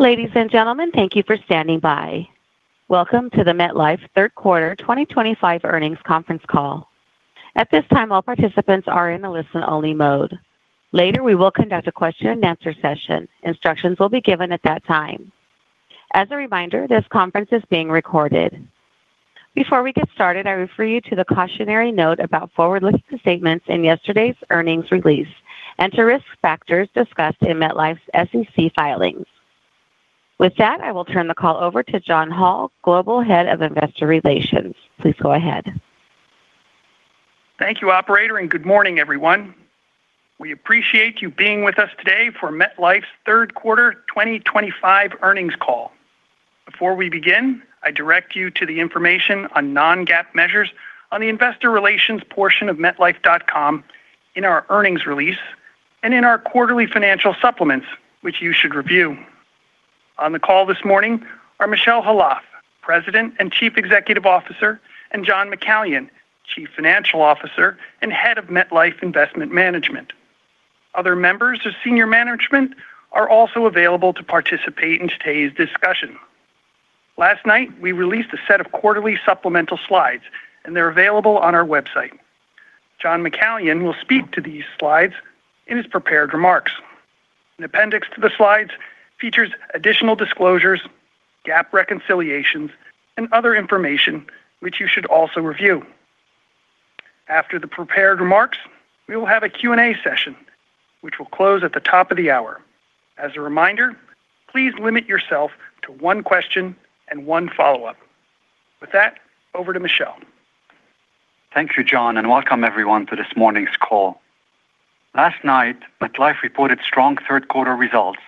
Ladies and gentlemen, thank you for standing by. Welcome to the MetLife Third Quarter 2025 earnings conference call. At this time, all participants are in the listen-only mode. Later, we will conduct a question-and-answer session. Instructions will be given at that time. As a reminder, this conference is being recorded. Before we get started, I refer you to the cautionary note about forward-looking statements in yesterday's earnings release and to risk factors discussed in MetLife's SEC filings. With that, I will turn the call over to John Hall, Global Head of Investor Relations. Please go ahead. Thank you, Operator, and good morning, everyone. We appreciate you being with us today for MetLife's Third Quarter 2025 earnings call. Before we begin, I direct you to the information on non-GAAP measures on the investor relations portion of MetLife.com in our earnings release and in our quarterly financial supplements, which you should review. On the call this morning are Michele Khalaf, President and Chief Executive Officer, and John McCallion, Chief Financial Officer and Head of MetLife Investment Management. Other members of senior management are also available to participate in today's discussion. Last night, we released a set of quarterly supplemental slides, and they're available on our website. John McCallion will speak to these slides in his prepared remarks. An appendix to the slides features additional disclosures, GAAP reconciliations, and other information, which you should also review. After the prepared remarks, we will have a Q&A session, which will close at the top of the hour. As a reminder, please limit yourself to one question and one follow-up. With that, over to Michele. Thank you, John, and welcome everyone to this morning's call. Last night, MetLife reported strong third-quarter results,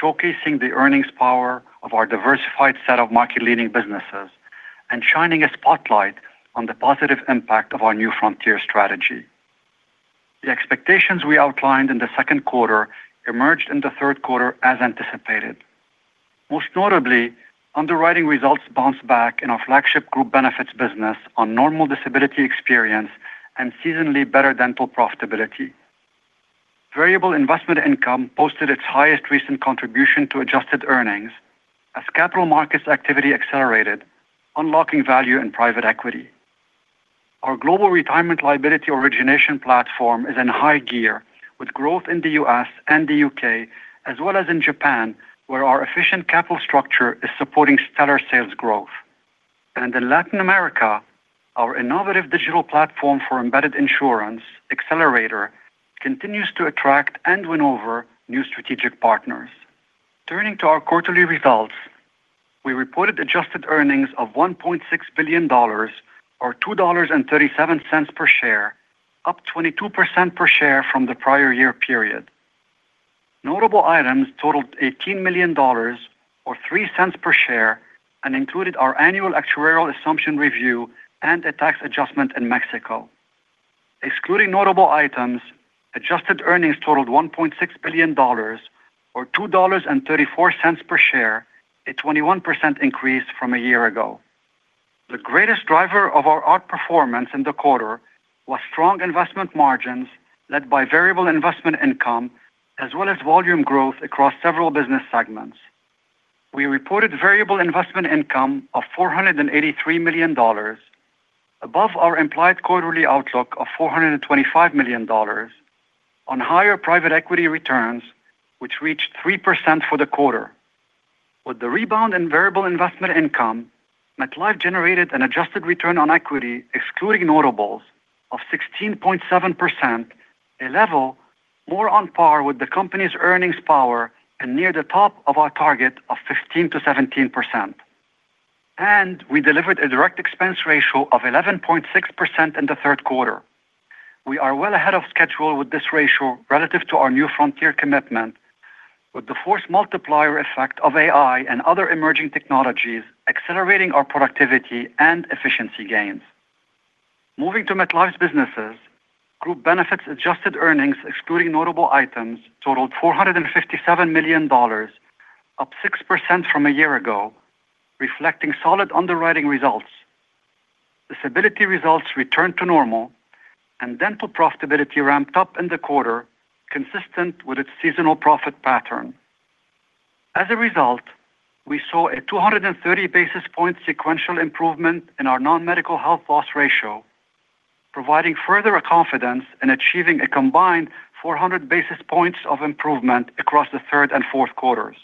showcasing the earnings power of our diversified set of market-leading businesses and shining a spotlight on the positive impact of our new frontier strategy. The expectations we outlined in the second quarter emerged in the third quarter as anticipated. Most notably, underwriting results bounced back in our flagship group benefits business on normal disability experience and seasonally better dental profitability. Variable investment income posted its highest recent contribution to adjusted earnings as capital markets activity accelerated, unlocking value in private equity. Our global retirement liability origination platform is in high gear with growth in the U.S. and the U.K., as well as in Japan, where our efficient capital structure is supporting stellar sales growth. In Latin America, our innovative digital platform for embedded insurance, Xcelerator, continues to attract and win over new strategic partners. Turning to our quarterly results, we reported adjusted earnings of $1.6 billion, or $2.37 per share, up 22% per share from the prior year period. Notable items totaled $18 million, or $0.03 per share, and included our annual actuarial assumption review and a tax adjustment in Mexico. Excluding notable items, adjusted earnings totaled $1.6 billion, or $2.34 per share, a 21% increase from a year ago. The greatest driver of our outperformance in the quarter was strong investment margins led by variable investment income, as well as volume growth across several business segments. We reported variable investment income of $483 million, above our implied quarterly outlook of $425 million, on higher private equity returns, which reached 3% for the quarter. With the rebound in variable investment income, MetLife generated an adjusted return on equity, excluding notables, of 16.7%. A level more on par with the company's earnings power and near the top of our target of 15%-17%. We delivered a direct expense ratio of 11.6% in the third quarter. We are well ahead of schedule with this ratio relative to our new frontier commitment, with the force multiplier effect of AI and other emerging technologies accelerating our productivity and efficiency gains. Moving to MetLife's businesses, group benefits adjusted earnings, excluding notable items, totaled $457 million, up 6% from a year ago, reflecting solid underwriting results. Disability results returned to normal, and dental profitability ramped up in the quarter, consistent with its seasonal profit pattern. As a result, we saw a 230 basis point sequential improvement in our non-medical health loss ratio, providing further confidence in achieving a combined 400 basis points of improvement across the third and fourth quarters.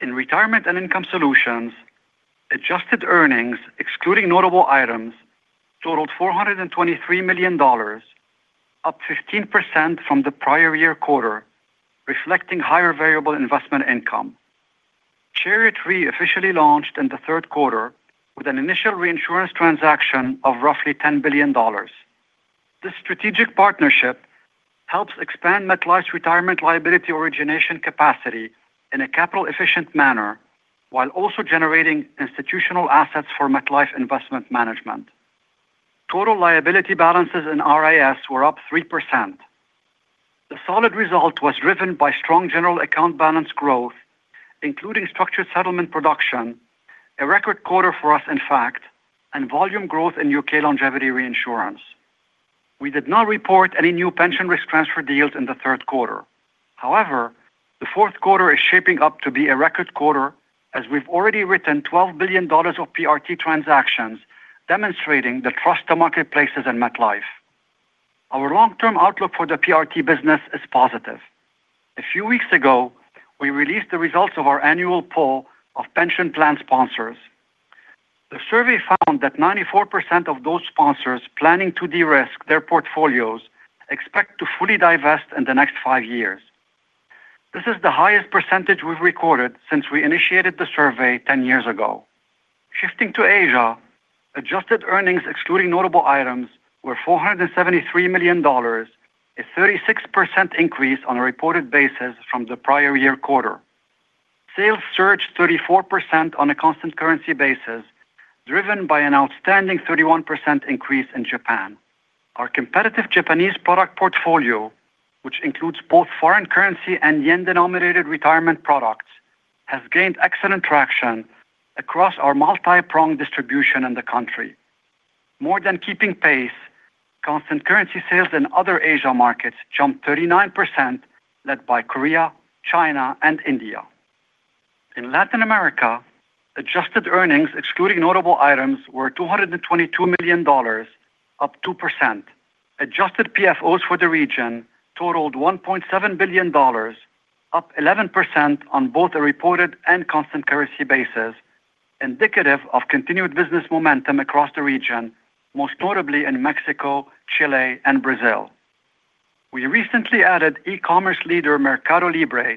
In retirement and income solutions, adjusted earnings, excluding notable items, totaled $423 million, up 15% from the prior year quarter, reflecting higher variable investment income. Chariot Re officially launched in the third quarter with an initial reinsurance transaction of roughly $10 billion. This strategic partnership helps expand MetLife's retirement liability origination capacity in a capital-efficient manner while also generating institutional assets for MetLife Investment Management. Total liability balances in RIS were up 3%. The solid result was driven by strong general account balance growth, including structured settlement production, a record quarter for us, in fact, and volume growth in U.K. longevity reinsurance. We did not report any new pension risk transfer deals in the third quarter. However, the fourth quarter is shaping up to be a record quarter as we've already written $12 billion of PRT transactions, demonstrating the trust the market places in MetLife. Our long-term outlook for the PRT business is positive. A few weeks ago, we released the results of our annual poll of pension plan sponsors. The survey found that 94% of those sponsors planning to de-risk their portfolios expect to fully divest in the next five years. This is the highest percentage we've recorded since we initiated the survey 10 years ago. Shifting to Asia, adjusted earnings, excluding notable items, were $473 million, a 36% increase on a reported basis from the prior year quarter. Sales surged 34% on a constant currency basis, driven by an outstanding 31% increase in Japan. Our competitive Japanese product portfolio, which includes both foreign currency and yen-denominated retirement products, has gained excellent traction across our multi-pronged distribution in the country. More than keeping pace, constant currency sales in other Asia markets jumped 39%, led by Korea, China, and India. In Latin America, adjusted earnings, excluding notable items, were $222 million, up 2%. Adjusted PFOs for the region totaled $1.7 billion, up 11% on both a reported and constant currency basis, indicative of continued business momentum across the region, most notably in Mexico, Chile, and Brazil. We recently added e-commerce leader Mercado Libre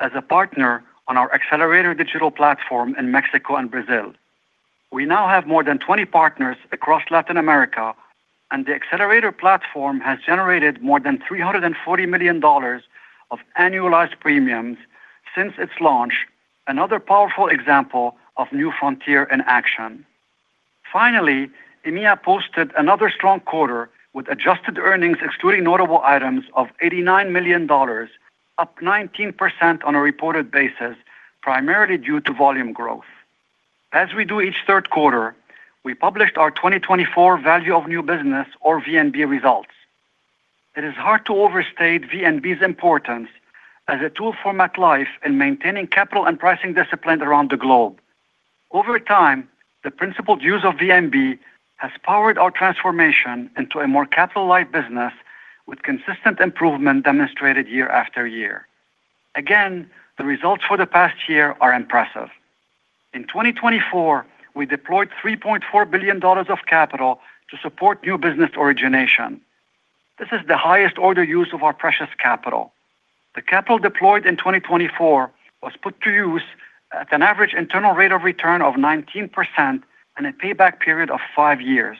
as a partner on our Xcelerator digital platform in Mexico and Brazil. We now have more than 20 partners across Latin America, and the Xcelerator platform has generated more than $340 million of annualized premiums since its launch, another powerful example of new frontier in action. Finally, EMEA posted another strong quarter with adjusted earnings, excluding notable items, of $89 million, up 19% on a reported basis, primarily due to volume growth. As we do each third quarter, we published our 2024 Value of New Business, or VNB, results. It is hard to overstate VNB's importance as a tool for MetLife in maintaining capital and pricing discipline around the globe. Over time, the principled use of VNB has powered our transformation into a more capital-like business with consistent improvement demonstrated year after year. Again, the results for the past year are impressive. In 2024, we deployed $3.4 billion of capital to support new business origination. This is the highest order use of our precious capital. The capital deployed in 2024 was put to use at an average internal rate of return of 19% and a payback period of five years.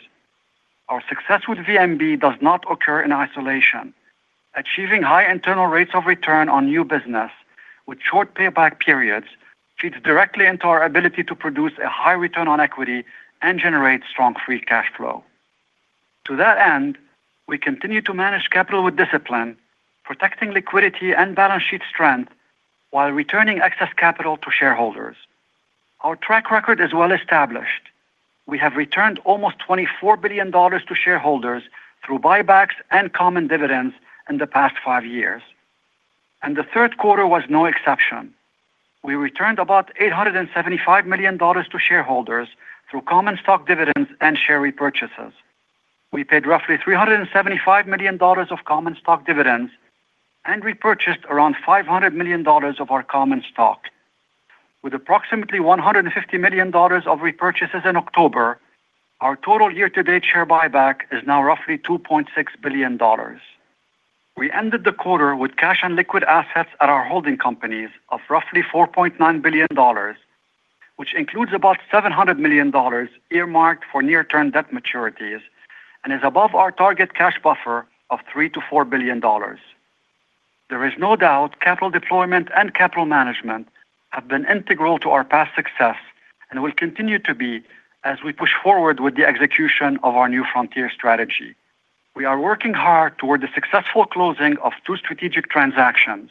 Our success with VNB does not occur in isolation. Achieving high internal rates of return on new business with short payback periods feeds directly into our ability to produce a high return on equity and generate strong free cash flow. To that end, we continue to manage capital with discipline, protecting liquidity and balance sheet strength while returning excess capital to shareholders. Our track record is well established. We have returned almost $24 billion to shareholders through buybacks and common dividends in the past five years. The third quarter was no exception. We returned about $875 million to shareholders through common stock dividends and share repurchases. We paid roughly $375 million of common stock dividends and repurchased around $500 million of our common stock. With approximately $150 million of repurchases in October, our total year-to-date share buyback is now roughly $2.6 billion. We ended the quarter with cash and liquid assets at our holding companies of roughly $4.9 billion, which includes about $700 million earmarked for near-term debt maturities and is above our target cash buffer of $3 billion-$4 billion. There is no doubt capital deployment and capital management have been integral to our past success and will continue to be as we push forward with the execution of our new frontier strategy. We are working hard toward the successful closing of two strategic transactions,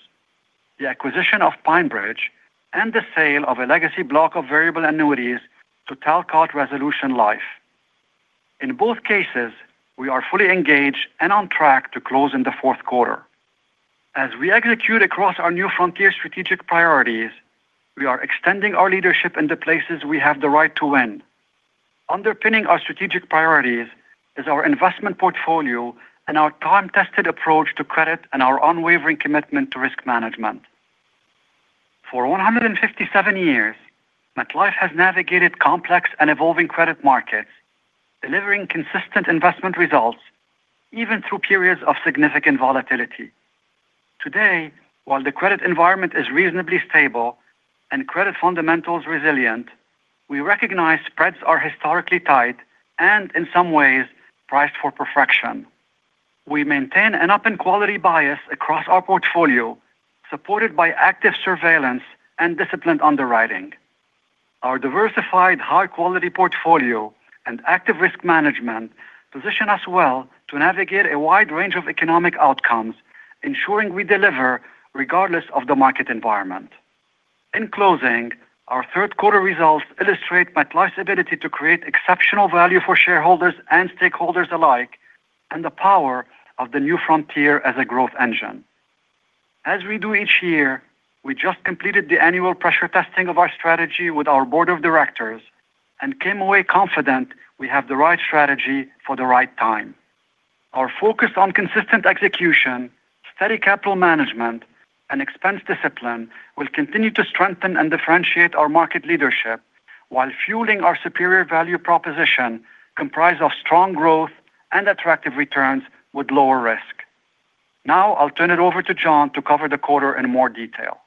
the acquisition of PineBridge and the sale of a legacy block of variable annuities to Talcott Resolution Life. In both cases, we are fully engaged and on track to close in the fourth quarter. As we execute across our new frontier strategic priorities, we are extending our leadership in the places we have the right to win. Underpinning our strategic priorities is our investment portfolio and our time-tested approach to credit and our unwavering commitment to risk management. For 157 years, MetLife has navigated complex and evolving credit markets, delivering consistent investment results even through periods of significant volatility. Today, while the credit environment is reasonably stable and credit fundamentals resilient, we recognize spreads are historically tight and, in some ways, priced for perfection. We maintain an up-and-quality bias across our portfolio, supported by active surveillance and disciplined underwriting. Our diversified, high-quality portfolio and active risk management position us well to navigate a wide range of economic outcomes, ensuring we deliver regardless of the market environment. In closing, our third-quarter results illustrate MetLife's ability to create exceptional value for shareholders and stakeholders alike and the power of the new frontier as a growth engine. As we do each year, we just completed the annual pressure testing of our strategy with our board of directors and came away confident we have the right strategy for the right time. Our focus on consistent execution, steady capital management, and expense discipline will continue to strengthen and differentiate our market leadership while fueling our superior value proposition comprised of strong growth and attractive returns with lower risk. Now, I'll turn it over to John to cover the quarter in more detail.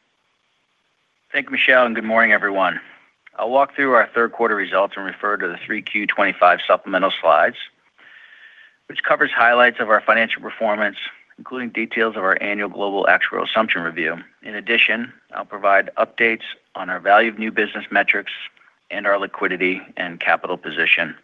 Thank you, Michele, and good morning, everyone. I'll walk through our third-quarter results and refer to the 3Q 2025 supplemental slides, which covers highlights of our financial performance, including details of our annual global actuarial assumption review. In addition, I'll provide updates on our value of new business metrics and our liquidity and capital position.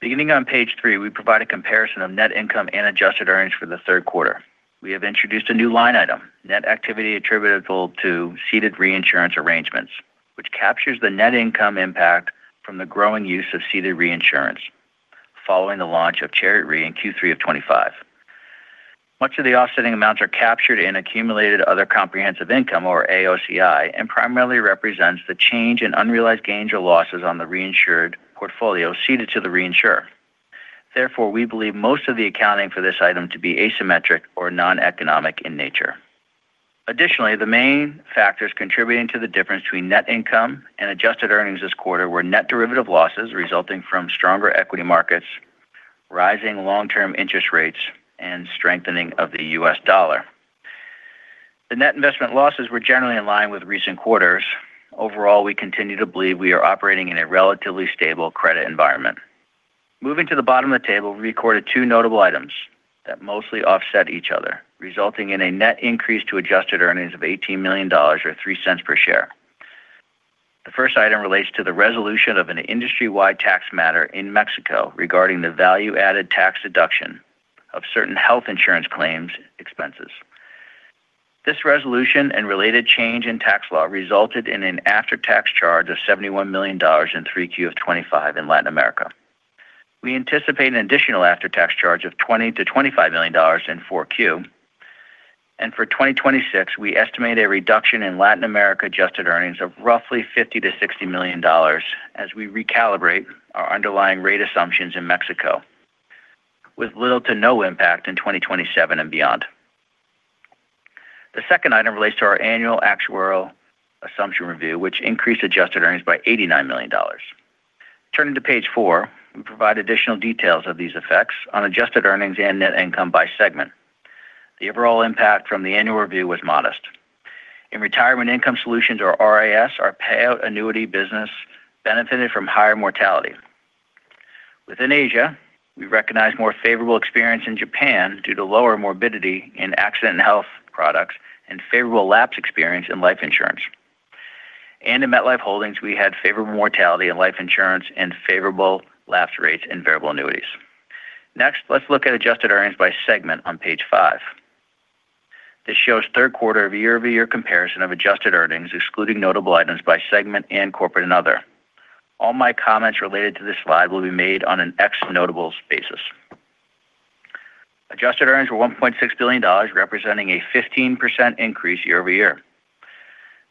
Beginning on page three, we provide a comparison of net income and adjusted earnings for the third quarter. We have introduced a new line item, net activity attributable to seated reinsurance arrangements, which captures the net income impact from the growing use of seated reinsurance. Following the launch of Chariot Re in Q3 of 2025. Much of the offsetting amounts are captured in accumulated other comprehensive income, or AOCI, and primarily represent the change in unrealized gains or losses on the reinsured portfolio seated to the reinsured. Therefore, we believe most of the accounting for this item to be asymmetric or non-economic in nature. Additionally, the main factors contributing to the difference between net income and adjusted earnings this quarter were net derivative losses resulting from stronger equity markets, rising long-term interest rates, and strengthening of the US dollar. The net investment losses were generally in line with recent quarters. Overall, we continue to believe we are operating in a relatively stable credit environment. Moving to the bottom of the table, we recorded two notable items that mostly offset each other, resulting in a net increase to adjusted earnings of $18 million, or $0.03 per share. The first item relates to the resolution of an industry-wide tax matter in Mexico regarding the value-added tax deduction of certain health insurance claims expenses. This resolution and related change in tax law resulted in an after-tax charge of $71 million in 3Q of 2025 in Latin America. We anticipate an additional after-tax charge of $20 million-$25 million in Q4. For 2026, we estimate a reduction in Latin America adjusted earnings of roughly $50 million-$60 million as we recalibrate our underlying rate assumptions in Mexico, with little to no impact in 2027 and beyond. The second item relates to our annual actuarial assumption review, which increased adjusted earnings by $89 million. Turning to page four, we provide additional details of these effects on adjusted earnings and net income by segment. The overall impact from the annual review was modest. In retirement income solutions, or RIS, our payout annuity business benefited from higher mortality. Within Asia, we recognize more favorable experience in Japan due to lower morbidity in accident and health products and favorable lapse experience in life insurance. In MetLife Holdings, we had favorable mortality in life insurance and favorable lapse rates in variable annuities. Next, let's look at adjusted earnings by segment on page five. This shows third quarter year-over-year comparison of adjusted earnings, excluding notable items by segment and corporate and other. All my comments related to this slide will be made on an ex-notables basis. Adjusted earnings were $1.6 billion, representing a 15% increase year-over-year.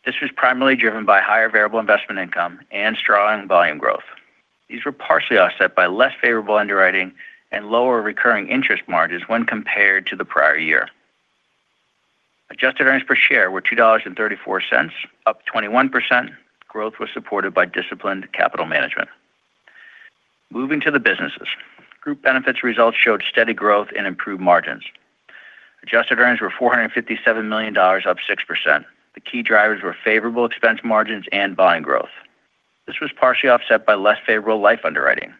This was primarily driven by higher variable investment income and strong volume growth. These were partially offset by less favorable underwriting and lower recurring interest margins when compared to the prior year. Adjusted earnings per share were $2.34, up 21%. Growth was supported by disciplined capital management. Moving to the businesses, group benefits results showed steady growth and improved margins. Adjusted earnings were $457 million, up 6%. The key drivers were favorable expense margins and volume growth. This was partially offset by less favorable life underwriting.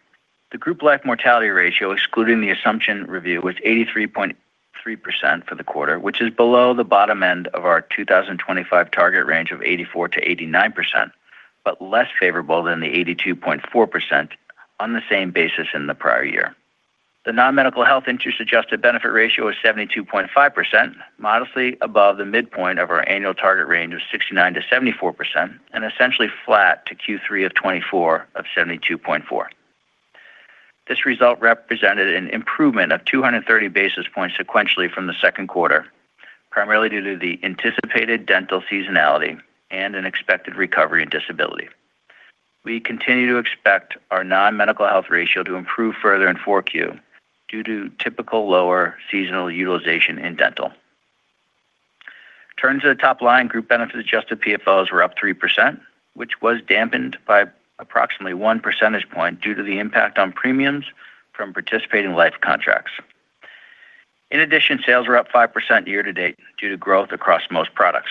The group life mortality ratio, excluding the assumption review, was 83.3% for the quarter, which is below the bottom end of our 2025 target range of 84%-89%, but less favorable than the 82.4% on the same basis in the prior year. The non-medical health interest adjusted benefit ratio was 72.5%, modestly above the midpoint of our annual target range of 69%-74%, and essentially flat to Q3 of 2024 at 72.4%. This result represented an improvement of 230 basis points sequentially from the second quarter, primarily due to the anticipated dental seasonality and an expected recovery in disability. We continue to expect our non-medical health ratio to improve further in 4Q due to typical lower seasonal utilization in dental. Turning to the top line, group benefits adjusted PFOs were up 3%, which was dampened by approximately one percentage point due to the impact on premiums from participating life contracts. In addition, sales were up 5% year-to-date due to growth across most products.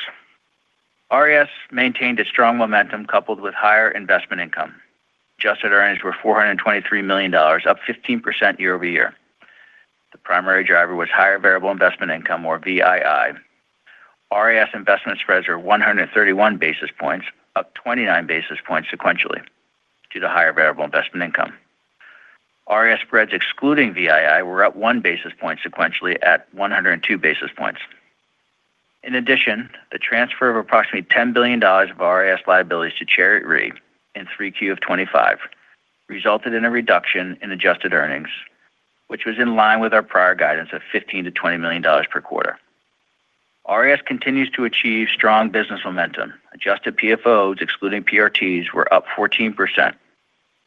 RIS maintained a strong momentum coupled with higher investment income. Adjusted earnings were $423 million, up 15% year-over-year. The primary driver was higher variable investment income, or VII. RIS investment spreads were 131 basis points, up 29 basis points sequentially due to higher variable investment income. RIS spreads excluding VII were up 1 basis point sequentially at 102 basis points. In addition, the transfer of approximately $10 billion of RIS liabilities to Chariot Re in 3Q of 2025 resulted in a reduction in adjusted earnings, which was in line with our prior guidance of $15 million-$20 million per quarter. RIS continues to achieve strong business momentum. Adjusted PFOs, excluding PRTs, were up 14%,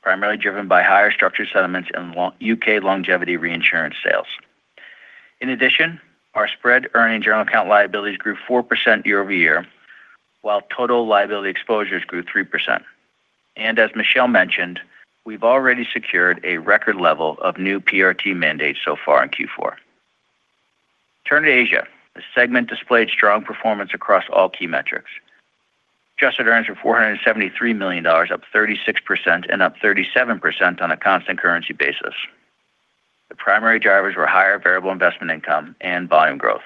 primarily driven by higher structured settlements and U.K. longevity reinsurance sales. In addition, our spread earning general account liabilities grew 4% year-over-year, while total liability exposures grew 3%. As Michele mentioned, we have already secured a record level of new PRT mandates so far in Q4. Turning to Asia, the segment displayed strong performance across all key metrics. Adjusted earnings were $473 million, up 36%, and up 37% on a constant currency basis. The primary drivers were higher variable investment income and volume growth.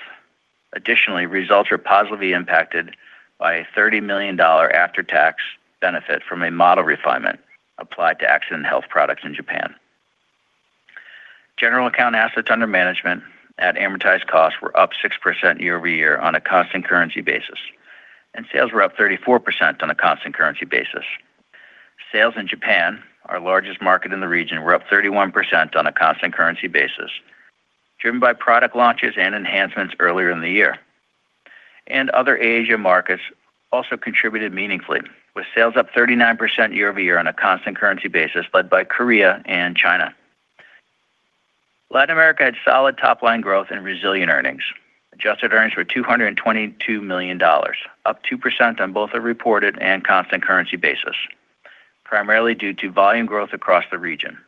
Additionally, results were positively impacted by a $30 million after-tax benefit from a model refinement applied to accident and health products in Japan. General account assets under management at amortized cost were up 6% year-over-year on a constant currency basis, and sales were up 34% on a constant currency basis. Sales in Japan, our largest market in the region, were up 31% on a constant currency basis, driven by product launches and enhancements earlier in the year. Other Asia markets also contributed meaningfully, with sales up 39% year-over-year on a constant currency basis led by Korea and China. Latin America had solid top-line growth and resilient earnings. Adjusted earnings were $222 million, up 2% on both a reported and constant currency basis, primarily due to volume growth across the region.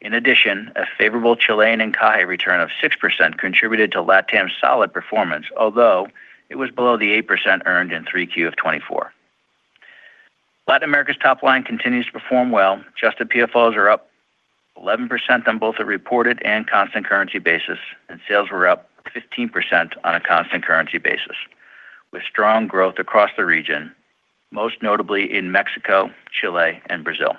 In addition, a favorable Chile and Chilean return of 6% contributed to LATAM's solid performance, although it was below the 8% earned in Q3 of 2024. Latin America's top line continues to perform well. Adjusted PFOs were up 11% on both a reported and constant currency basis, and sales were up 15% on a constant currency basis, with strong growth across the region, most notably in Mexico, Chile, and Brazil.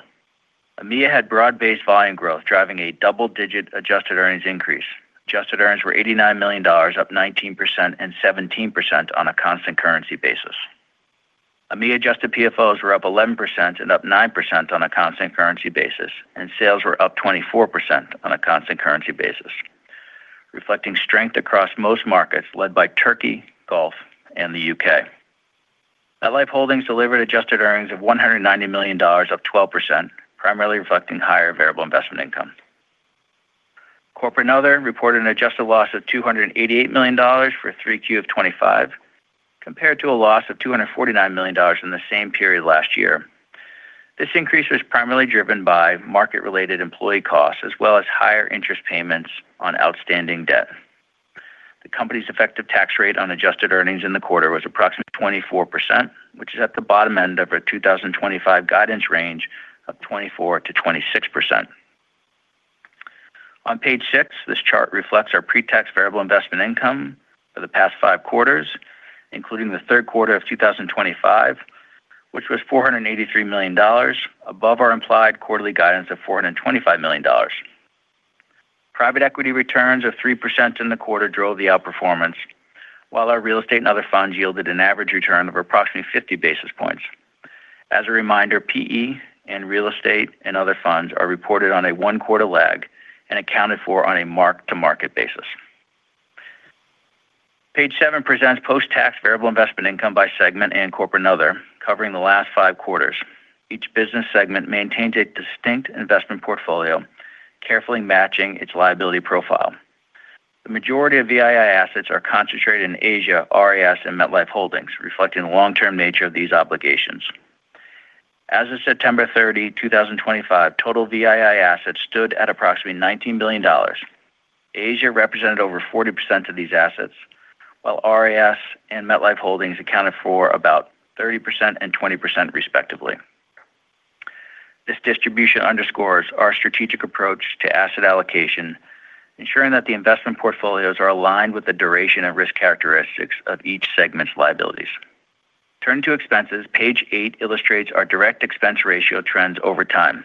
EMEA had broad-based volume growth, driving a double-digit adjusted earnings increase. Adjusted earnings were $89 million, up 19%, and 17% on a constant currency basis. AMEA adjusted PFOs were up 11% and up 9% on a constant currency basis, and sales were up 24% on a constant currency basis. Reflecting strength across most markets led by Turkey, Gulf, and the U.K. MetLife Holdings delivered adjusted earnings of $190 million, up 12%, primarily reflecting higher variable investment income. Corporate and other reported an adjusted loss of $288 million for 3Q of 2025, compared to a loss of $249 million in the same period last year. This increase was primarily driven by market-related employee costs as well as higher interest payments on outstanding debt. The company's effective tax rate on adjusted earnings in the quarter was approximately 24%, which is at the bottom end of our 2025 guidance range of 24%-26%. On page six, this chart reflects our pre-tax variable investment income for the past five quarters, including the third quarter of 2025, which was $483 million, above our implied quarterly guidance of $425 million. Private equity returns of 3% in the quarter drove the outperformance, while our real estate and other funds yielded an average return of approximately 50 basis points. As a reminder, PE and real estate and other funds are reported on a one-quarter lag and accounted for on a mark-to-market basis. Page seven presents post-tax variable investment income by segment and corporate and other, covering the last five quarters. Each business segment maintains a distinct investment portfolio, carefully matching its liability profile. The majority of VII assets are concentrated in Asia, RIS, and MetLife Holdings, reflecting the long-term nature of these obligations. As of September 30, 2025, total VII assets stood at approximately $19 billion. Asia represented over 40% of these assets, while RIS and MetLife Holdings accounted for about 30% and 20%, respectively. This distribution underscores our strategic approach to asset allocation, ensuring that the investment portfolios are aligned with the duration and risk characteristics of each segment's liabilities. Turning to expenses, page eight illustrates our direct expense ratio trends over time.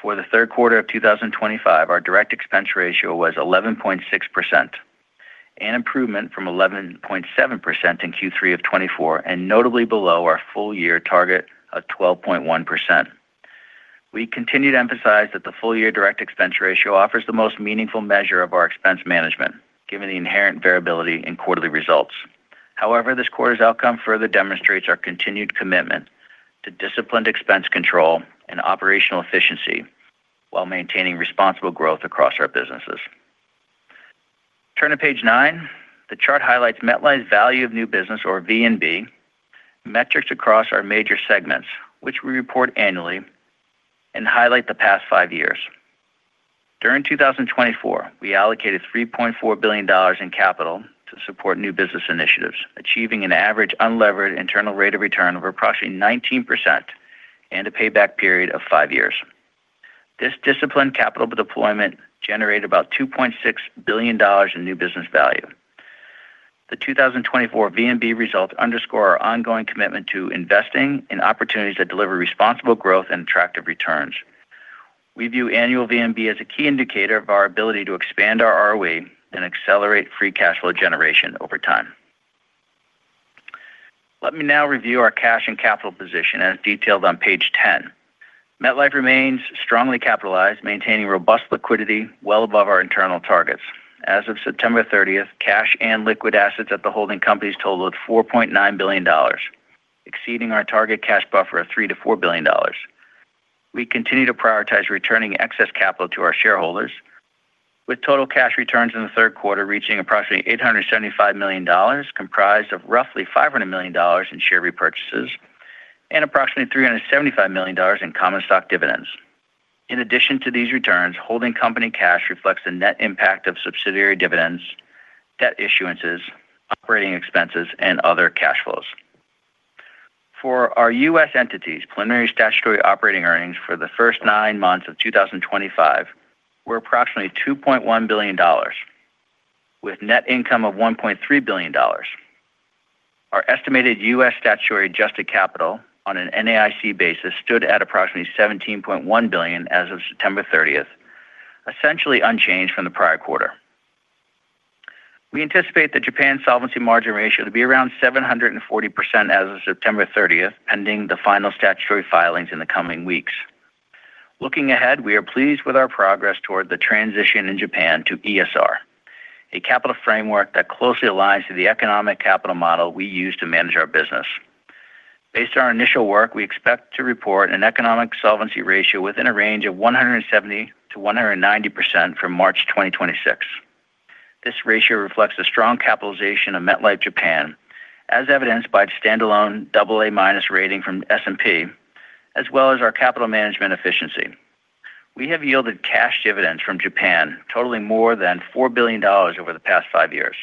For the third quarter of 2025, our direct expense ratio was 11.6%. An improvement from 11.7% in Q3 of 2024 and notably below our full-year target of 12.1%. We continue to emphasize that the full-year direct expense ratio offers the most meaningful measure of our expense management, given the inherent variability in quarterly results. However, this quarter's outcome further demonstrates our continued commitment to disciplined expense control and operational efficiency while maintaining responsible growth across our businesses. Turning to page nine, the chart highlights MetLife's value of new business, or VNB, metrics across our major segments, which we report annually, and highlight the past five years. During 2024, we allocated $3.4 billion in capital to support new business initiatives, achieving an average unlevered internal rate of return of approximately 19% and a payback period of five years. This disciplined capital deployment generated about $2.6 billion in new business value. The 2024 VNB results underscore our ongoing commitment to investing in opportunities that deliver responsible growth and attractive returns. We view annual VNB as a key indicator of our ability to expand our ROE and accelerate free cash flow generation over time. Let me now review our cash and capital position as detailed on page 10. MetLife remains strongly capitalized, maintaining robust liquidity well above our internal targets. As of September 30th, cash and liquid assets at the holding companies totaled $4.9 billion, exceeding our target cash buffer of $3 billion-$4 billion. We continue to prioritize returning excess capital to our shareholders, with total cash returns in the third quarter reaching approximately $875 million, comprised of roughly $500 million in share repurchases and approximately $375 million in common stock dividends. In addition to these returns, holding company cash reflects the net impact of subsidiary dividends, debt issuances, operating expenses, and other cash flows. For our U.S. entities, preliminary statutory operating earnings for the first nine months of 2025 were approximately $2.1 billion, with net income of $1.3 billion. Our estimated U.S. statutory adjusted capital on an NAIC basis stood at approximately $17.1 billion as of September 30th, essentially unchanged from the prior quarter. We anticipate the Japan solvency margin ratio to be around 740% as of September 30th, pending the final statutory filings in the coming weeks. Looking ahead, we are pleased with our progress toward the transition in Japan to ESR, a capital framework that closely aligns to the economic capital model we use to manage our business. Based on our initial work, we expect to report an economic solvency ratio within a range of 170%-190% from March 2026. This ratio reflects the strong capitalization of MetLife Japan, as evidenced by its standalone AA- rating from S&P, as well as our capital management efficiency. We have yielded cash dividends from Japan, totaling more than $4 billion over the past five years.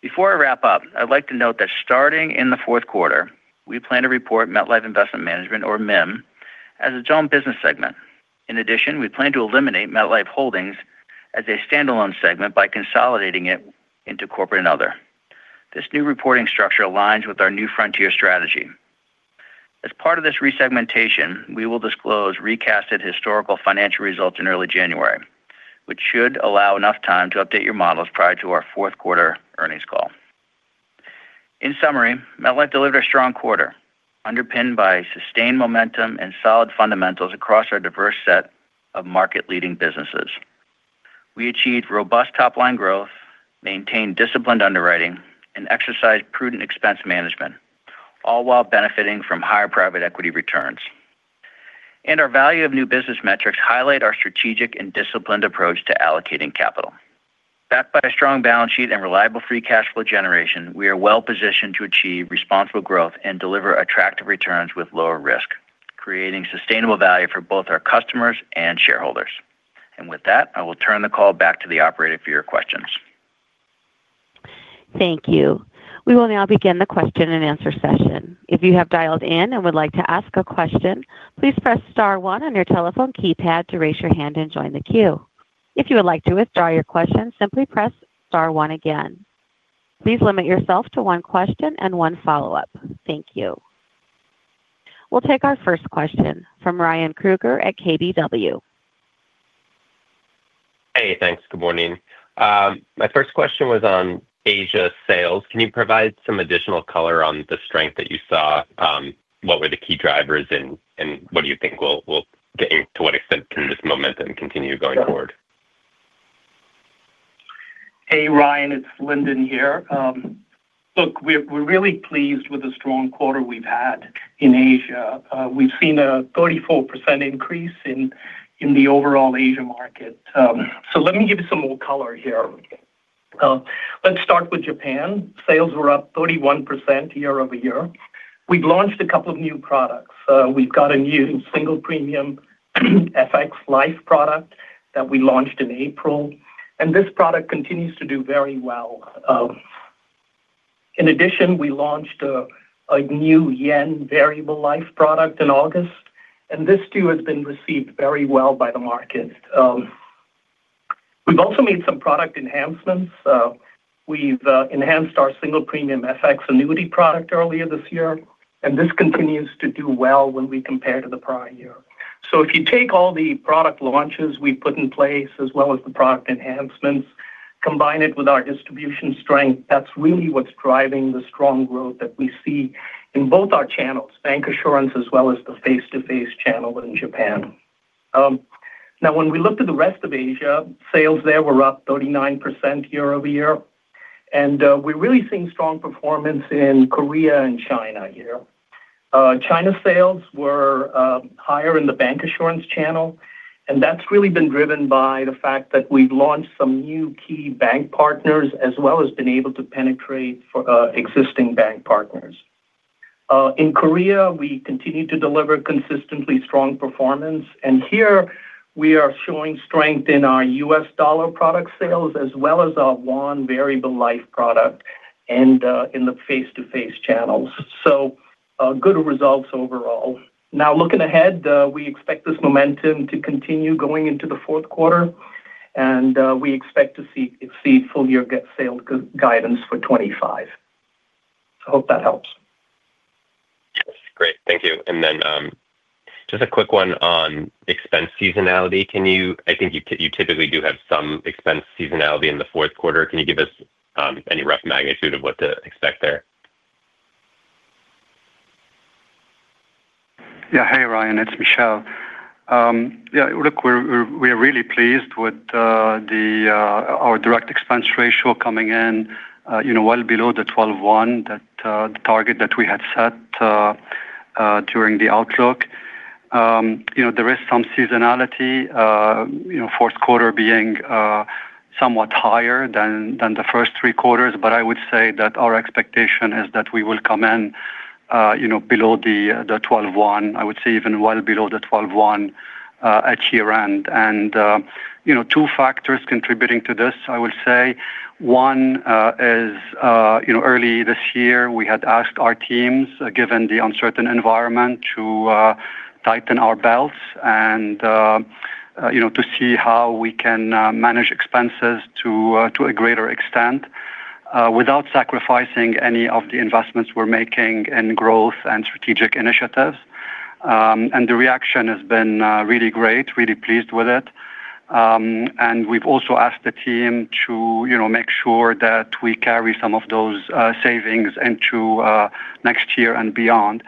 Before I wrap up, I'd like to note that starting in the fourth quarter, we plan to report MetLife Investment Management, or MIM, as its own business segment. In addition, we plan to eliminate MetLife Holdings as a standalone segment by consolidating it into Corporate and Other. This new reporting structure aligns with our new frontier strategy. As part of this resegmentation, we will disclose recasted historical financial results in early January, which should allow enough time to update your models prior to our fourth quarter earnings call. In summary, MetLife delivered a strong quarter, underpinned by sustained momentum and solid fundamentals across our diverse set of market-leading businesses. We achieved robust top-line growth, maintained disciplined underwriting, and exercised prudent expense management, all while benefiting from higher private equity returns. Our value of new business metrics highlight our strategic and disciplined approach to allocating capital. Backed by a strong balance sheet and reliable free cash flow generation, we are well-positioned to achieve responsible growth and deliver attractive returns with lower risk, creating sustainable value for both our customers and shareholders. I will turn the call back to the operator for your questions. Thank you. We will now begin the question and answer session. If you have dialed in and would like to ask a question, please press star one on your telephone keypad to raise your hand and join the queue. If you would like to withdraw your question, simply press star one again. Please limit yourself to one question and one follow-up. Thank you. We'll take our first question from Ryan Krueger at KBW. Hey, thanks. Good morning. My first question was on Asia sales. Can you provide some additional color on the strength that you saw? What were the key drivers, and what do you think we'll get into what extent can this momentum continue going forward? Hey, Ryan, it's Lyndon here. Look, we're really pleased with the strong quarter we've had in Asia. We've seen a 34% increase in the overall Asia market. Let me give you some more color here. Let's start with Japan. Sales were up 31% year over year. We've launched a couple of new products. We've got a new single premium FX Life product that we launched in April, and this product continues to do very well. In addition, we launched a new Yen Variable Life product in August, and this too has been received very well by the market. We've also made some product enhancements. We've enhanced our single premium FX Annuity product earlier this year, and this continues to do well when we compare to the prior year. If you take all the product launches we put in place, as well as the product enhancements, combine it with our distribution strength, that's really what's driving the strong growth that we see in both our channels, bank assurance as well as the face-to-face channel in Japan. Now, when we looked at the rest of Asia, sales there were up 39% year over year, and we're really seeing strong performance in Korea and China here. China sales were higher in the bank assurance channel, and that's really been driven by the fact that we've launched some new key bank partners as well as been able to penetrate existing bank partners. In Korea, we continue to deliver consistently strong performance, and here we are showing strength in our U.S. dollar product sales as well as our Yen Variable Life product and in the face-to-face channels. Good results overall. Now, looking ahead, we expect this momentum to continue going into the fourth quarter, and we expect to see full-year sales guidance for 2025. I hope that helps. Yes, great. Thank you. Just a quick one on expense seasonality. I think you typically do have some expense seasonality in the fourth quarter. Can you give us any rough magnitude of what to expect there? Yeah. Hey, Ryan, it's Michele. Yeah, look, we're really pleased with our direct expense ratio coming in well below the 12.1 target that we had set during the outlook. There is some seasonality, fourth quarter being somewhat higher than the first three quarters, but I would say that our expectation is that we will come in below the 12.1, I would say even well below the 12.1 at year-end. Two factors contributing to this, I would say. One is early this year, we had asked our teams, given the uncertain environment, to tighten our belts and to see how we can manage expenses to a greater extent without sacrificing any of the investments we're making in growth and strategic initiatives. The reaction has been really great, really pleased with it. We have also asked the team to make sure that we carry some of those savings into next year and beyond.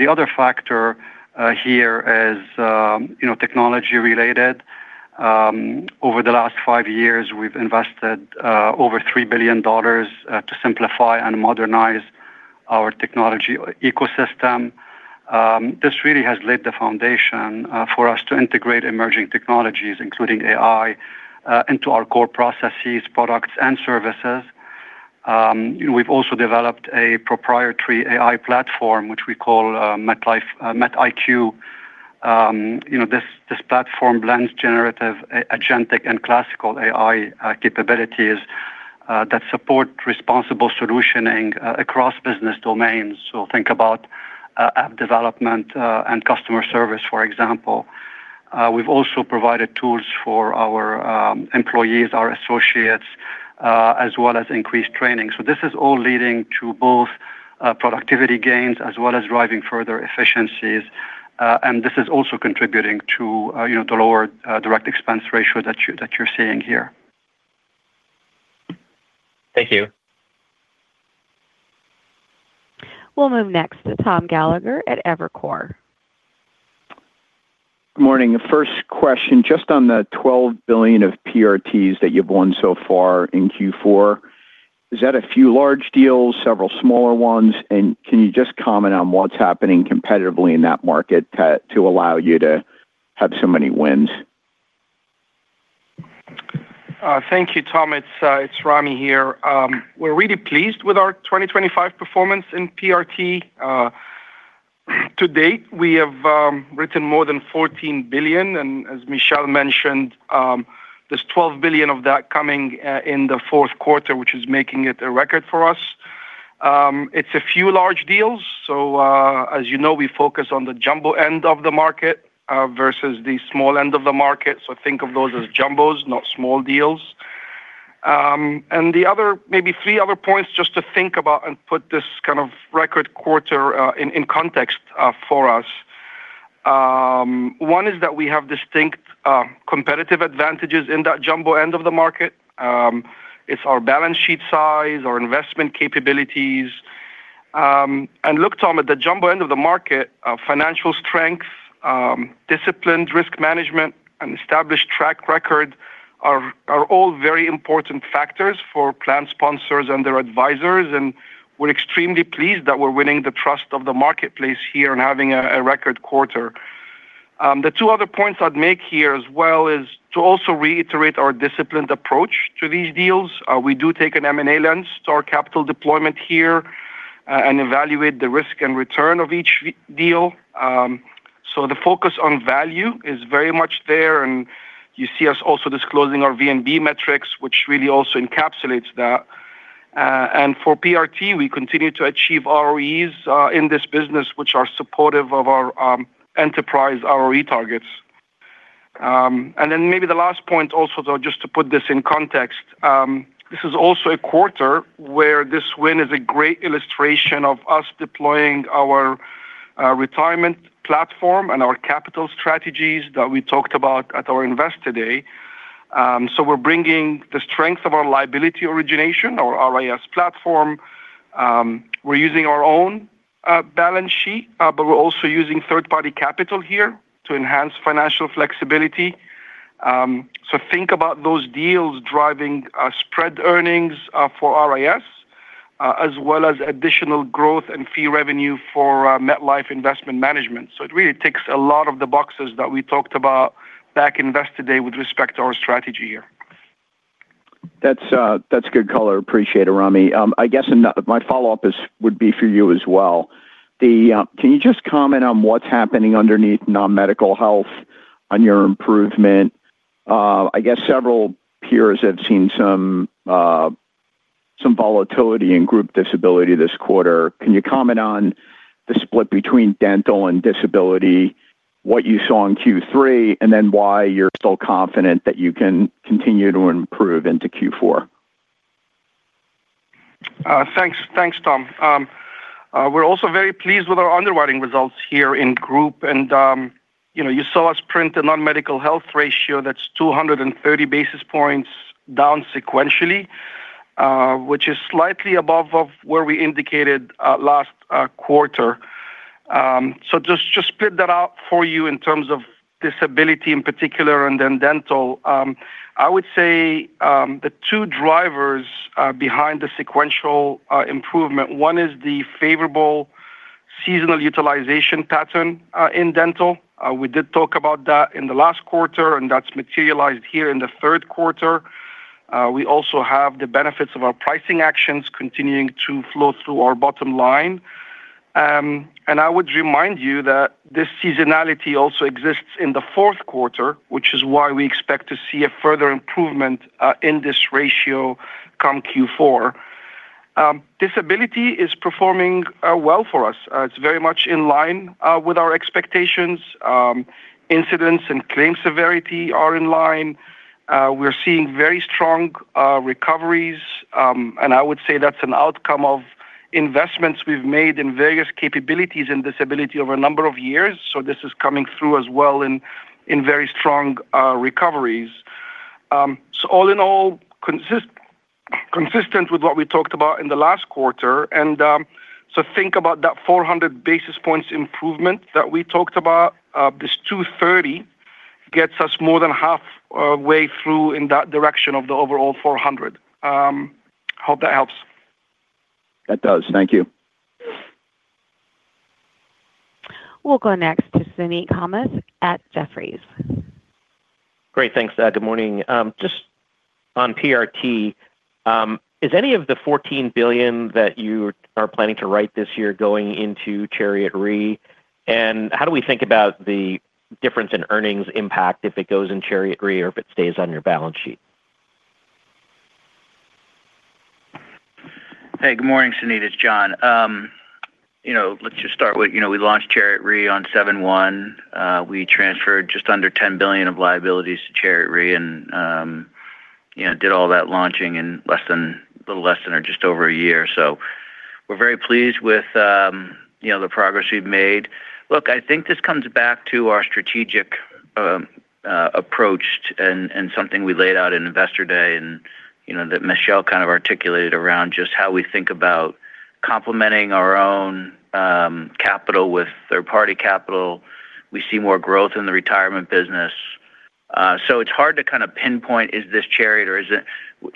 The other factor here is technology-related. Over the last five years, we have invested over $3 billion to simplify and modernize our technology ecosystem. This really has laid the foundation for us to integrate emerging technologies, including AI, into our core processes, products, and services. We have also developed a proprietary AI platform, which we call MetLife MetIQ. This platform blends generative, agentic, and classical AI capabilities that support responsible solutioning across business domains. Think about app development and customer service, for example. We have also provided tools for our employees, our associates, as well as increased training. This is all leading to both productivity gains as well as driving further efficiencies. This is also contributing to the lower direct expense ratio that you're seeing here. Thank you. We'll move next to Tom Gallagher at Evercore. Good morning. First question, just on the $12 billion of PRTs that you've won so far in Q4. Is that a few large deals, several smaller ones? Can you just comment on what's happening competitively in that market to allow you to have so many wins? Thank you, Tom. It's Ramy here. We're really pleased with our 2025 performance in PRT. To date, we have written more than $14 billion. As Michele mentioned, there's $12 billion of that coming in the fourth quarter, which is making it a record for us. It's a few large deals. As you know, we focus on the jumbo end of the market versus the small end of the market. Think of those as jumbos, not small deals. Maybe three other points just to think about and put this kind of record quarter in context for us. One is that we have distinct competitive advantages in that jumbo end of the market. It is our balance sheet size, our investment capabilities. Look, Tom, at the jumbo end of the market, financial strength, disciplined risk management, and established track record are all very important factors for plan sponsors and their advisors. We are extremely pleased that we are winning the trust of the marketplace here and having a record quarter. The two other points I would make here as well is to also reiterate our disciplined approach to these deals. We do take an M&A lens to our capital deployment here and evaluate the risk and return of each deal. The focus on value is very much there. You see us also disclosing our VNB metrics, which really also encapsulates that. For PRT, we continue to achieve ROEs in this business, which are supportive of our enterprise ROE targets. Maybe the last point, just to put this in context, this is also a quarter where this win is a great illustration of us deploying our retirement platform and our capital strategies that we talked about at our invest today. We are bringing the strength of our liability origination, our RIS platform. We are using our own balance sheet, but we are also using third-party capital here to enhance financial flexibility. Think about those deals driving spread earnings for RIS, as well as additional growth and fee revenue for MetLife Investment Management. It really ticks a lot of the boxes that we talked about back at invest today with respect to our strategy here. That's good color. Appreciate it, Ramy. I guess my follow-up would be for you as well. Can you just comment on what's happening underneath non-medical health on your improvement? I guess several peers have seen some volatility in group disability this quarter. Can you comment on the split between dental and disability, what you saw in Q3, and then why you're still confident that you can continue to improve into Q4? Thanks, Tom. We're also very pleased with our underwriting results here in group. You saw us print a non-medical health ratio that's 230 basis points down sequentially, which is slightly above where we indicated last quarter. Just to split that out for you in terms of disability in particular and then dental, I would say the two drivers behind the sequential improvement, one is the favorable seasonal utilization pattern in dental. We did talk about that in the last quarter, and that's materialized here in the third quarter. We also have the benefits of our pricing actions continuing to flow through our bottom line. I would remind you that this seasonality also exists in the fourth quarter, which is why we expect to see a further improvement in this ratio come Q4. Disability is performing well for us. It's very much in line with our expectations. Incidents and claim severity are in line. We're seeing very strong recoveries. I would say that's an outcome of investments we've made in various capabilities and disability over a number of years. This is coming through as well in very strong recoveries. All in all, consistent with what we talked about in the last quarter. Think about that 400 basis points improvement that we talked about. This 230 gets us more than halfway through in that direction of the overall 400. Hope that helps. That does. Thank you. We'll go next to Suneet Kamath at Jefferies. Great. Thanks. Good morning. Just on PRT. Is any of the $14 billion that you are planning to write this year going into Chariot Re? And how do we think about the difference in earnings impact if it goes in Chariot Re or if it stays on your balance sheet? Hey, good morning, Suneet. It's John. Let's just start with we launched Chariot Re on July 1. We transferred just under $10 billion of liabilities to Chariot Re and did all that launching in a little less than or just over a year. So we're very pleased with the progress we've made. Look, I think this comes back to our strategic. Approach and something we laid out in investor day and that Michele kind of articulated around just how we think about complementing our own capital with third-party capital. We see more growth in the retirement business. It is hard to kind of pinpoint, is this Chariot or is it?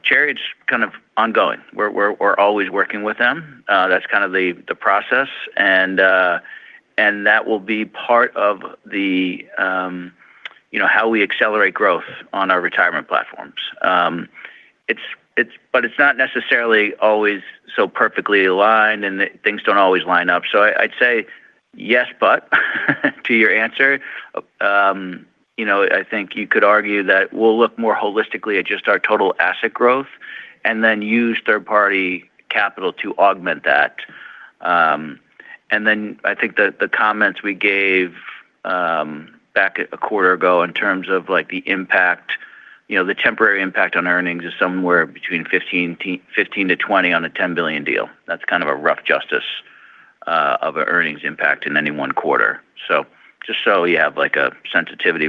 Chariot's kind of ongoing. We are always working with them. That is kind of the process. That will be part of how we accelerate growth on our retirement platforms. It is not necessarily always so perfectly aligned, and things do not always line up. I would say, yes, to your answer. I think you could argue that we will look more holistically at just our total asset growth and then use third-party capital to augment that. I think the comments we gave back a quarter ago in terms of the. Temporary impact on earnings is somewhere between 15%-20% on a $10 billion deal. That's kind of a rough justice of an earnings impact in any one quarter. Just so you have a sensitivity.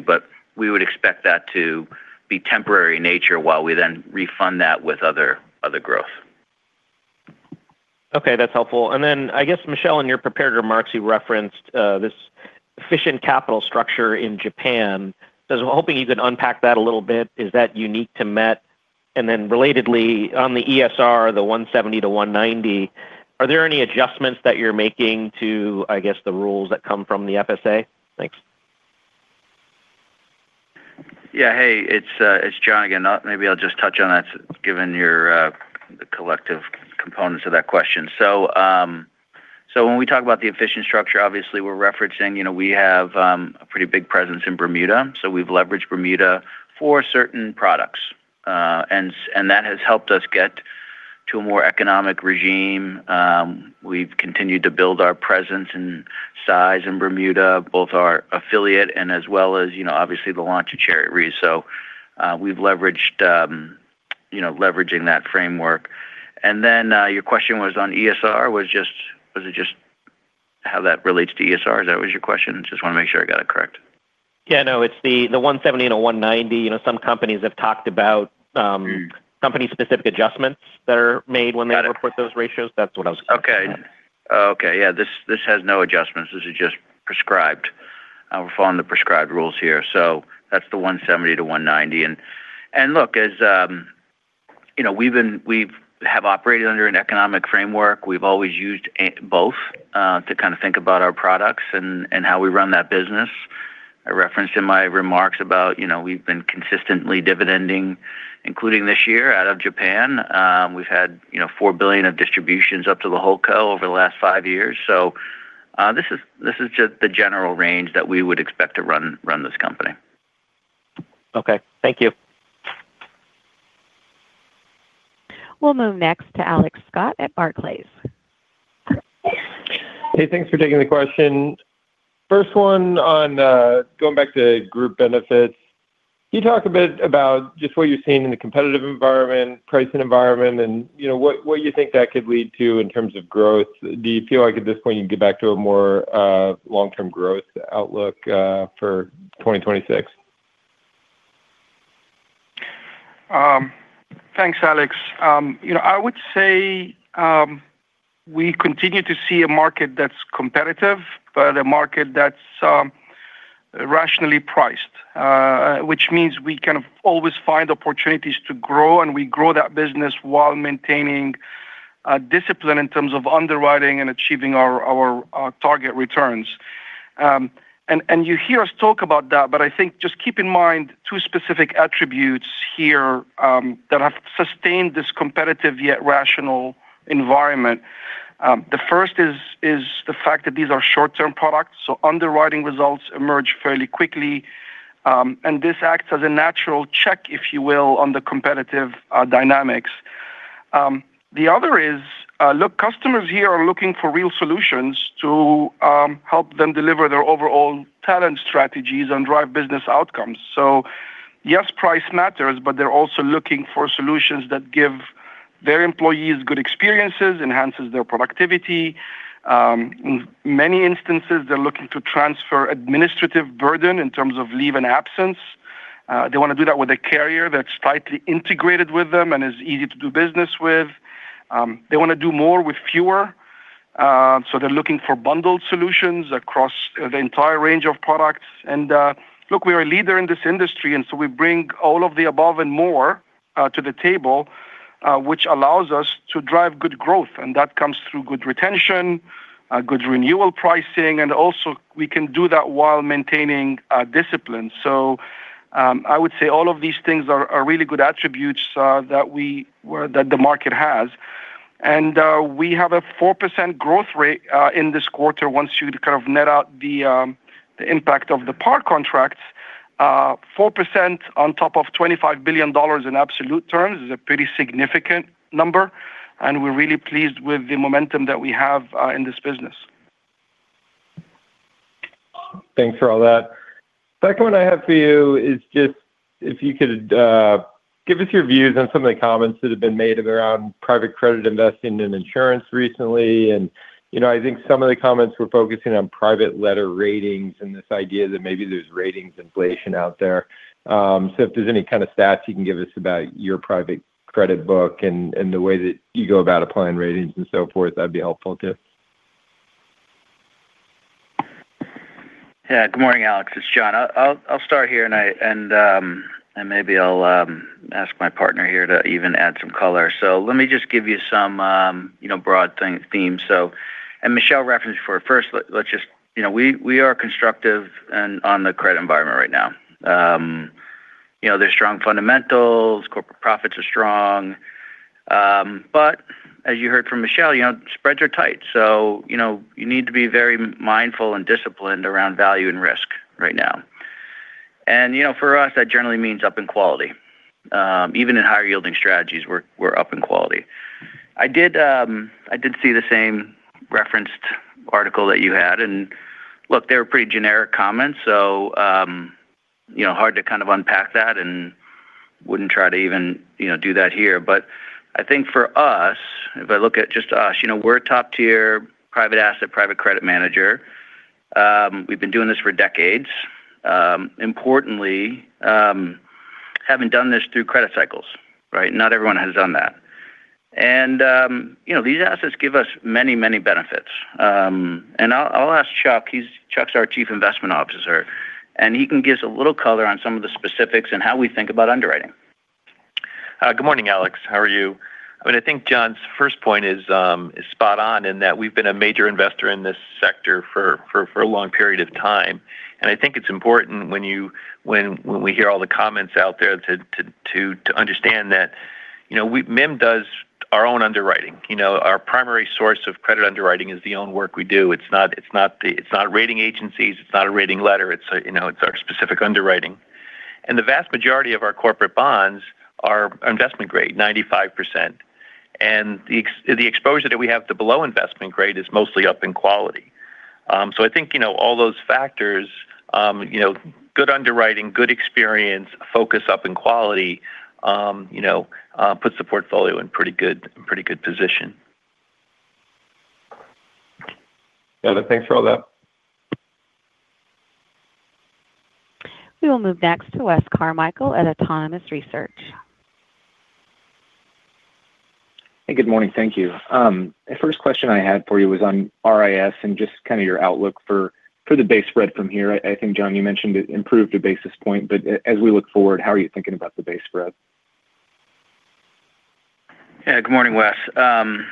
We would expect that to be temporary in nature while we then refund that with other growth. Okay. That's helpful. I guess, Michele, in your prepared remarks, you referenced this efficient capital structure in Japan. I was hoping you could unpack that a little bit. Is that unique to Met? Relatedly, on the ESR, the 170-190, are there any adjustments that you're making to the rules that come from the FSA? Thanks. Yeah. Hey, it's John again. Maybe I'll just touch on that given the collective components of that question. When we talk about the efficient structure, obviously, we're referencing we have a pretty big presence in Bermuda. We've leveraged Bermuda for certain products, and that has helped us get to a more economic regime. We've continued to build our presence and size in Bermuda, both our affiliate and, as well as, obviously, the launch of Chariot Re. We've leveraged that framework. And then your question was on ESR, was it just how that relates to ESR? Is that was your question? Just want to make sure I got it correct. Yeah. No, it's the 170-190. Some companies have talked about company-specific adjustments that are made when they work with those ratios. That's what I was going to say. Okay. Okay. Yeah. This has no adjustments. This is just prescribed. We're following the prescribed rules here. So that's the 170-190. And look, as. We've operated under an economic framework, we've always used both to kind of think about our products and how we run that business. I referenced in my remarks about we've been consistently dividending, including this year out of Japan. We've had $4 billion of distributions up to the whole CO over the last five years. This is just the general range that we would expect to run this company. Okay. Thank you. We'll move next to Alex Scott at Barclays. Hey, thanks for taking the question. First one on going back to group benefits. Can you talk a bit about just what you're seeing in the competitive environment, pricing environment, and what you think that could lead to in terms of growth? Do you feel like at this point you can get back to a more long-term growth outlook for 2026? Thanks, Alex. I would say. We continue to see a market that's competitive, but a market that's rationally priced, which means we kind of always find opportunities to grow, and we grow that business while maintaining discipline in terms of underwriting and achieving our target returns. You hear us talk about that, but I think just keep in mind two specific attributes here that have sustained this competitive yet rational environment. The first is the fact that these are short-term products, so underwriting results emerge fairly quickly. This acts as a natural check, if you will, on the competitive dynamics. The other is, look, customers here are looking for real solutions to help them deliver their overall talent strategies and drive business outcomes. Yes, price matters, but they're also looking for solutions that give their employees good experiences, enhances their productivity. In many instances, they're looking to transfer administrative burden in terms of leave and absence. They want to do that with a carrier that's tightly integrated with them and is easy to do business with. They want to do more with fewer. They're looking for bundled solutions across the entire range of products. Look, we are a leader in this industry, and we bring all of the above and more to the table, which allows us to drive good growth. That comes through good retention, good renewal pricing, and also we can do that while maintaining discipline. I would say all of these things are really good attributes that the market has. We have a 4% growth rate in this quarter once you kind of net out the impact of the PAR contracts. 4% on top of $25 billion in absolute terms is a pretty significant number. We're really pleased with the momentum that we have in this business. Thanks for all that. Second one I have for you is just if you could give us your views on some of the comments that have been made around private credit investing and insurance recently. I think some of the comments were focusing on private letter ratings and this idea that maybe there's ratings inflation out there. If there's any kind of stats you can give us about your private credit book and the way that you go about applying ratings and so forth, that'd be helpful too. Yeah. Good morning, Alex. It's John. I'll start here, and maybe I'll ask my partner here to even add some color. Let me just give you some broad themes. Michele referenced before. First, let's just—we are constructive on the credit environment right now. There are strong fundamentals. Corporate profits are strong. As you heard from Michele, spreads are tight. You need to be very mindful and disciplined around value and risk right now. For us, that generally means up in quality. Even in higher-yielding strategies, we are up in quality. I did see the same referenced article that you had. They were pretty generic comments. Hard to kind of unpack that and would not try to even do that here. I think for us, if I look at just us, we are a top-tier private asset private credit manager. We have been doing this for decades. Importantly, having done this through credit cycles, right? Not everyone has done that. These assets give us many, many benefits. I will ask Chuck. Chuck is our Chief Investment Officer. He can give us a little color on some of the specifics and how we think about underwriting. Good morning, Alex. How are you? I mean, I think John's first point is spot on in that we've been a major investor in this sector for a long period of time. I think it's important when you—when we hear all the comments out there to understand that. MIM does our own underwriting. Our primary source of credit underwriting is the own work we do. It's not rating agencies. It's not a rating letter. It's our specific underwriting. The vast majority of our corporate bonds are investment grade, 95%. The exposure that we have to below investment grade is mostly up in quality. I think all those factors—good underwriting, good experience, focus up in quality—put the portfolio in a pretty good position. Yeah. Thanks for all that. We will move next to Wes Carmichael at Autonomous Research. Hey, good morning. Thank you. The first question I had for you was on RIS and just kind of your outlook for the base spread from here. I think, John, you mentioned it improved a basis point. As we look forward, how are you thinking about the base spread? Yeah. Good morning, Wes. As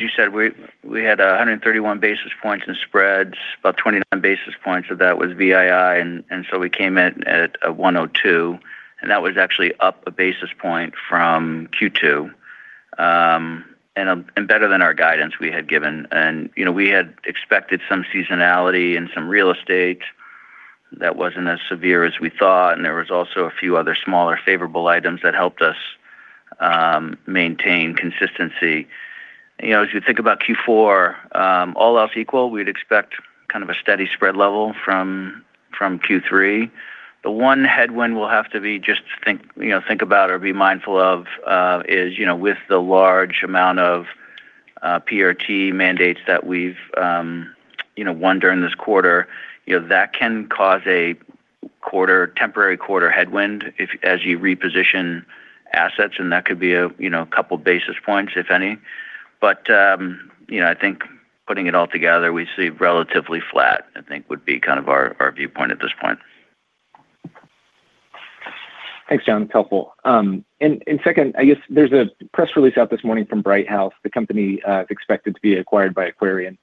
you said, we had 131 basis points in spreads, about 29 basis points of that was VII. We came in at 102. That was actually up a basis point from Q2. Better than our guidance we had given. We had expected some seasonality and some real estate that was not as severe as we thought. There were also a few other smaller favorable items that helped us maintain consistency. As you think about Q4. All else equal, we'd expect kind of a steady spread level from Q3. The one headwind we'll have to just think about or be mindful of is with the large amount of PRT mandates that we've won during this quarter, that can cause a temporary quarter headwind as you reposition assets. And that could be a couple of basis points, if any. I think putting it all together, we see relatively flat, I think, would be kind of our viewpoint at this point. Thanks, John. Helpful. Second, I guess there's a press release out this morning from Brighthouse. The company is expected to be acquired by Aquarian.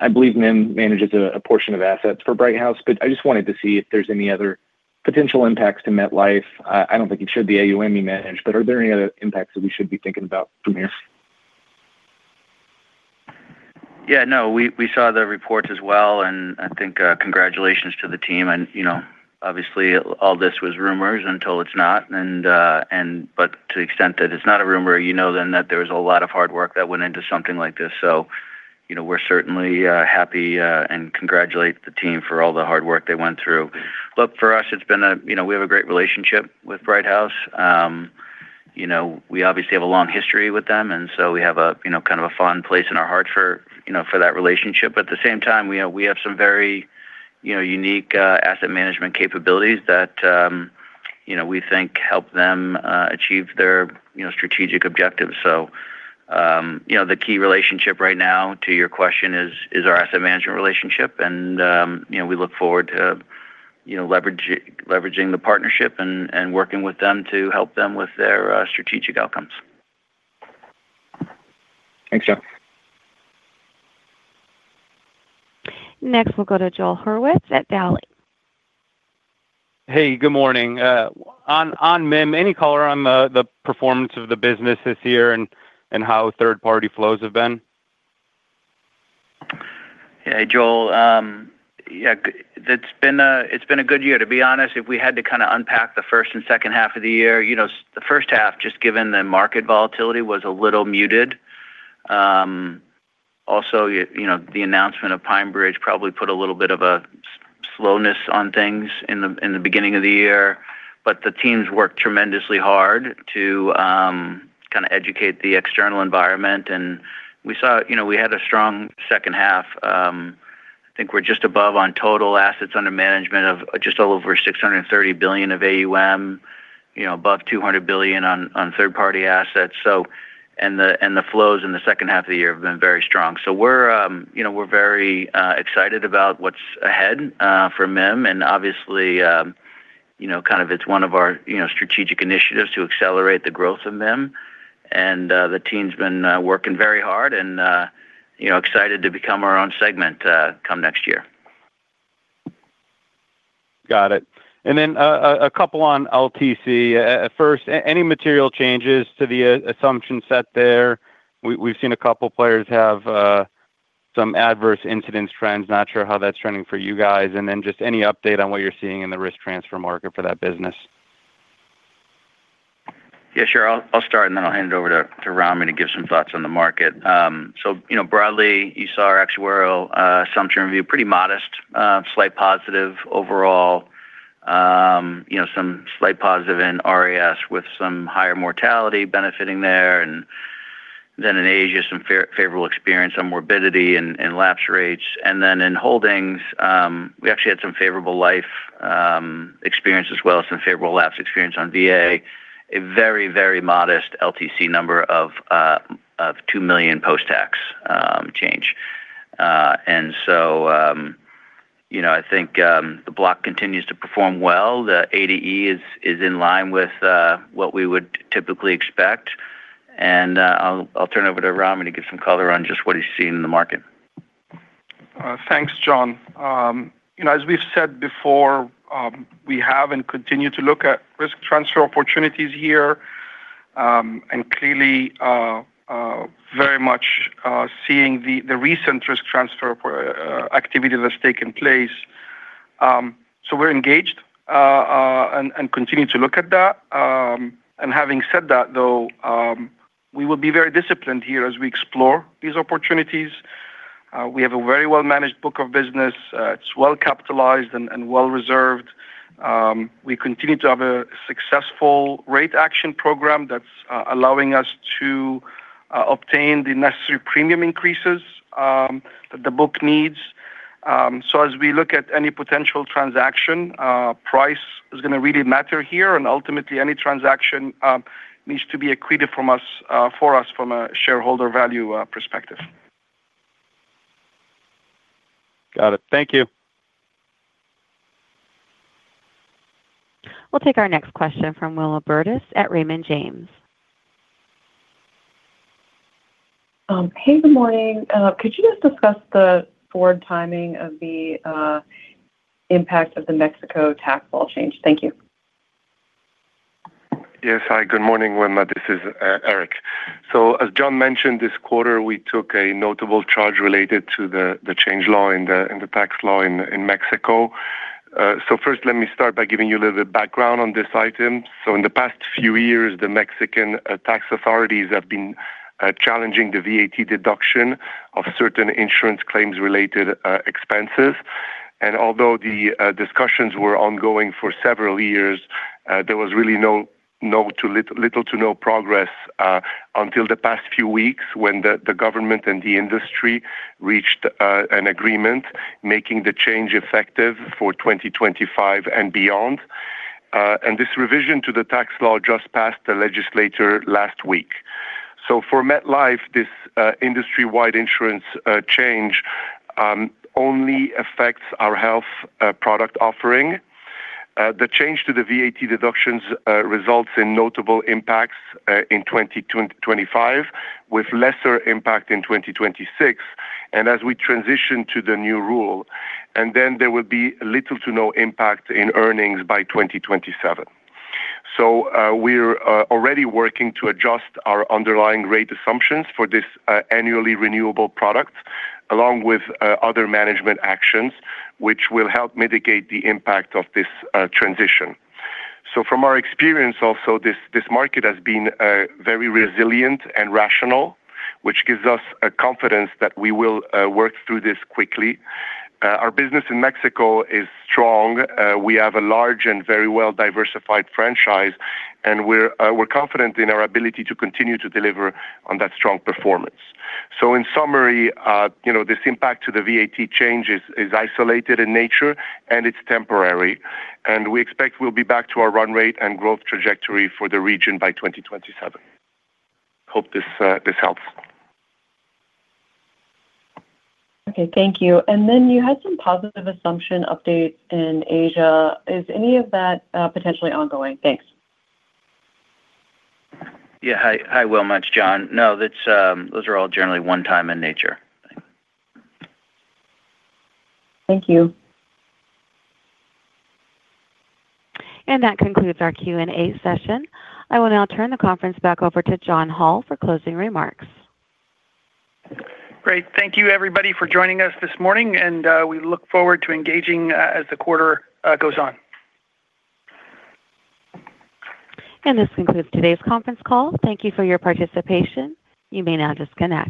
I believe MIM manages a portion of assets for Brighthouse. I just wanted to see if there's any other potential impacts to MetLife. I don't think it should be AUME managed. Are there any other impacts that we should be thinking about from here? Yeah. No, we saw the reports as well. I think congratulations to the team. Obviously, all this was rumors until it is not. To the extent that it is not a rumor, you know then that there was a lot of hard work that went into something like this. We are certainly happy and congratulate the team for all the hard work they went through. Look, for us, we have a great relationship with Brighthouse. We obviously have a long history with them. We have kind of a fond place in our hearts for that relationship. At the same time, we have some very unique asset management capabilities that we think help them achieve their strategic objectives. The key relationship right now, to your question, is our asset management relationship. We look forward to leveraging the partnership and working with them to help them with their strategic outcomes. Thanks, John. Next, we'll go to Joel Hurwitz at Dowling. Hey, good morning. On MIM, any color on the performance of the business this year and how third-party flows have been. Hey, Joel. Yeah. It's been a good year. To be honest, if we had to kind of unpack the first and second half of the year, the first half, just given the market volatility, was a little muted. Also, the announcement of PineBridge probably put a little bit of a slowness on things in the beginning of the year. The teams worked tremendously hard to kind of educate the external environment. We saw we had a strong second half. I think we're just above on total assets under management of just over $630 billion of AUM, above $200 billion on third-party assets. The flows in the second half of the year have been very strong. We are very excited about what's ahead for MIM. Obviously, it's one of our strategic initiatives to accelerate the growth of MIM. The team's been working very hard and excited to become our own segment come next year. Got it. A couple on LTC. First, any material changes to the assumption set there? We've seen a couple of players have some adverse incidents trends. Not sure how that's trending for you guys. Just any update on what you're seeing in the risk transfer market for that business? Yeah, sure. I'll start, and then I'll hand it over to Ramy to give some thoughts on the market. Broadly, you saw our actuarial assumption review, pretty modest, slight positive overall. Some slight positive in RIS with some higher mortality benefiting there. In Asia, some favorable experience, some morbidity in lapse rates. In holdings, we actually had some favorable life experience as well, some favorable lapse experience on VA. A very, very modest LTC number of $2 million post-tax change. I think the block continues to perform well. The ADE is in line with what we would typically expect. I'll turn it over to Ramy to give some color on just what he's seen in the market. Thanks, John. As we've said before, we have and continue to look at risk transfer opportunities here. Clearly. Very much seeing the recent risk transfer activity that's taken place. We are engaged and continue to look at that. Having said that, though, we will be very disciplined here as we explore these opportunities. We have a very well-managed book of business. It's well-capitalized and well-reserved. We continue to have a successful rate action program that's allowing us to obtain the necessary premium increases that the book needs. As we look at any potential transaction, price is going to really matter here. Ultimately, any transaction needs to be accretive for us from a shareholder value perspective. Got it. Thank you. We'll take our next question from Wilma Burdis at Raymond James. Hey, good morning. Could you just discuss the forward timing of the impact of the Mexico tax law change? Thank you. Yes. Hi, good morning, Wilma. This is Eric. As John mentioned, this quarter, we took a notable charge related to the change law and the tax law in Mexico. First, let me start by giving you a little bit of background on this item. In the past few years, the Mexican tax authorities have been challenging the VAT deduction of certain insurance claims-related expenses. Although the discussions were ongoing for several years, there was really little to no progress until the past few weeks when the government and the industry reached an agreement making the change effective for 2025 and beyond. This revision to the tax law just passed the legislature last week. For MetLife, this industry-wide insurance change only affects our health product offering. The change to the VAT deductions results in notable impacts in 2025, with lesser impact in 2026. As we transition to the new rule, there will be little to no impact in earnings by 2027. We are already working to adjust our underlying rate assumptions for this annually renewable product, along with other management actions, which will help mitigate the impact of this transition. From our experience, this market has been very resilient and rational, which gives us confidence that we will work through this quickly. Our business in Mexico is strong. We have a large and very well-diversified franchise. We are confident in our ability to continue to deliver on that strong performance. In summary, this impact to the VAT change is isolated in nature, and it is temporary. We expect we will be back to our run rate and growth trajectory for the region by 2027. Hope this helps. Okay. Thank you. And then you had some positive assumption updates in Asia. Is any of that potentially ongoing? Thanks. Yeah. Hi, Wilma, it's John. No, those are all generally one-time in nature. Thank you. That concludes our Q&A session. I will now turn the conference back over to John Hall for closing remarks. Great. Thank you, everybody, for joining us this morning. We look forward to engaging as the quarter goes on. This concludes today's conference call. Thank you for your participation. You may now disconnect.